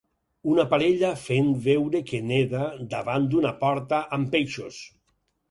Una parella fent veure que neda davant d'una porta amb peixos